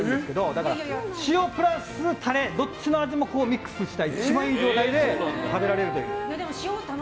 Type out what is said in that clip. だから、塩プラスタレどっちの味もミックスした一番いい状態で食べられるという。